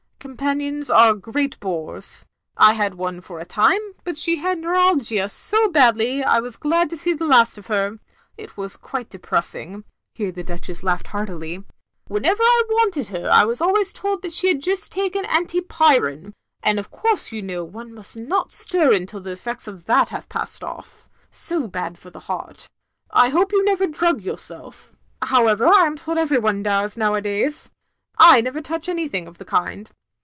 Companions are great bores. I had one for a time, but she had neuralgia so badly I was glad to see the last of her. It was quite depressing," (here the Duchess laughed heartily) "whenever I wanted 270 THE LONELY LADY her I was always told she had just taken anti pyrin. And of course you know one must not stir till the eflEects of that have passed off. So bad for the heart. I hope you never drug yourself. However, I am told every one does, nowadays. I never touch anything of the kind.